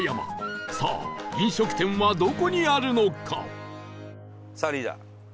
さあ飲食店はどこにあるのか？